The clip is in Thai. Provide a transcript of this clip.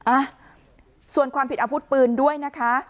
อ่ะส่วนความผิดอาวุธปืนด้วยนะคะ